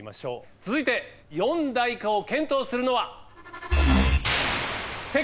続いて四大化を検討するのは。